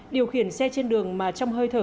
điều khiển xe trên đường mà trong hơi thở